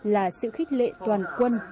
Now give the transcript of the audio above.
là sự khích lệ toàn quân